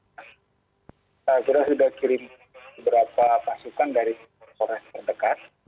saya kira sudah kirim beberapa pasukan dari kores terdekat